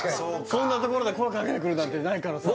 そんなところで声かけてくるなんてないからさ